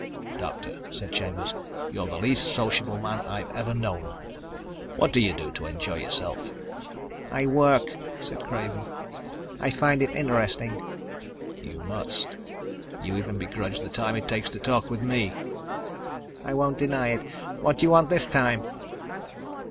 "Doctor," said Chambers, "you're the least sociable man I've ever known. What do you do to enjoy yourself?" "I work," said Craven. "I find it interesting." "You must. You even begrudge the time it takes to talk with me." "I won't deny it. What do you want this time?"